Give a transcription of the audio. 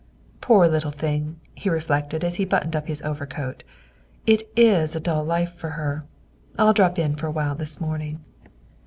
" Poor little thing," he reflected as he buttoned his overcoat, " it is a dull life for her. I'll drop in for a while this morning."